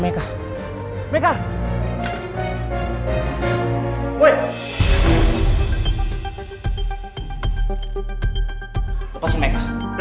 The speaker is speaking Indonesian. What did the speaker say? mereka menanggung kekuasaan kita